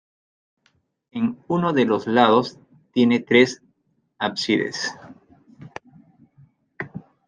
En uno de los lados tiene tres ábsides.